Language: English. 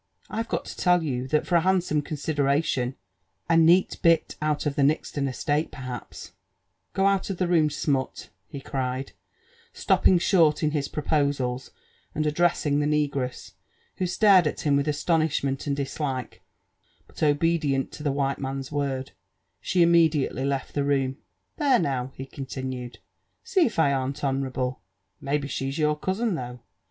'' I've got to tell you that for a handsome consideration — a neat bit out of the Nixton estate, perhaps Go out of the room, smut }'' he cried, stopping short in his proposals, and ad<jressmg the negress, who stared at him with a^tenishtnent atod dlsHike, but, obedient to the white man's ^ord, she Immfedtately left the room. There now," he continued, see if I am't honourable 1 — Mayhe she's your cousin, though.